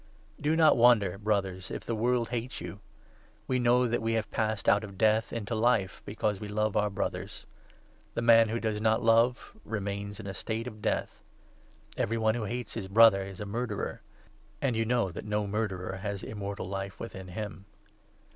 Do not wonder, Brothers, if the world hates 13 ""*£" fiT ' Thi* You We know that we have passed out of 14 0 ret n re n •....*..Death into Life, because we love our Brothers. The man who does not love remains in a state of Death. Every one who hates his Brother is a murderer ; and 15 you know that no murderer has Immortal Life within him.